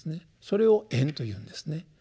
それを縁というんですね。